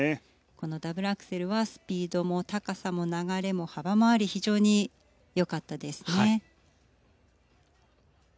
ダブルアクセルはスピードも、高さも、流れも幅もあり非常に良かったですね。